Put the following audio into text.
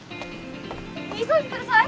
急いでください！